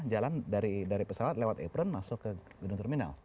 jalan dari pesawat lewat apron masuk ke gedung terminal